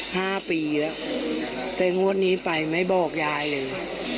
ห้าปีแล้วแต่งวดนี้ไปไม่บอกยายเลย